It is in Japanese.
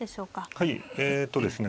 はいえとですね